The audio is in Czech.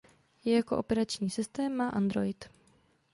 Jako operační systém má Android.